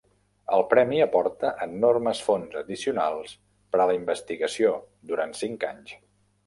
El premi aporta enormes fons addicionals per a la investigació durant cinc anys.